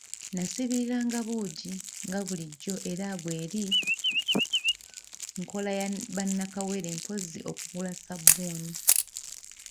Nasiibiriranga buugi nga bulijjo era bw'eri nkola ya ba nnakawere mpozzi okugula ssabbuuni.